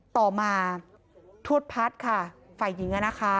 ต่อมาทวดพัดค่ะฝ่ายยิงนะคะ